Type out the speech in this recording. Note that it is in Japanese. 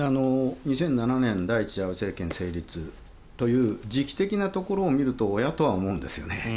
２００７年第１次安倍政権成立という時期的なところを見るとおや？とは思うんですよね。